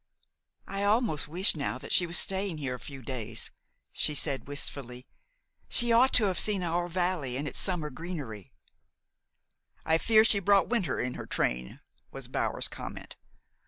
"I almost wish now she was staying here a few days," she said wistfully. "She ought to have seen our valley in its summer greenery." "I fear she brought winter in her train," was Bower's comment.